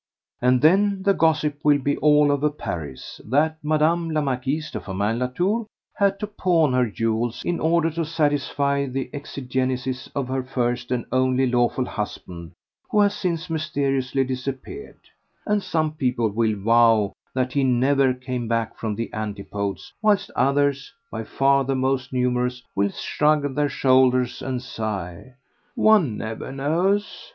And then the gossip will be all over Paris that Mme. la Marquise de Firmin Latour had to pawn her jewels in order to satisfy the exigencies of her first and only lawful husband who has since mysteriously disappeared; and some people will vow that he never came back from the Antipodes, whilst others—by far the most numerous—will shrug their shoulders and sigh: 'One never knows!